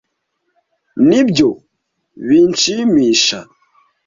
Nibyo binshimisha.